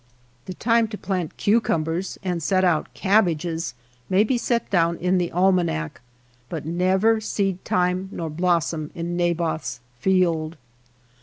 The time to plant cucumbers and set out cab bages may be set down in the almanac, but never seed time nor blossom in Na both's field.